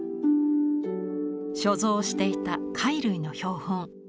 所蔵していた貝類の標本。